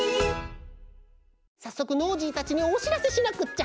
さっそくノージーたちにおしらせしなくっちゃ！